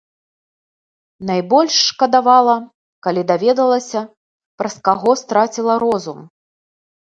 Найбольш шкадавала, калі даведалася, праз каго страціла розум.